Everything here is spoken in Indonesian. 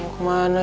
mau kemana lagi